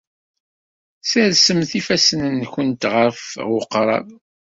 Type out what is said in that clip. Ssersemt ifassen-nwent ɣef uɣrab.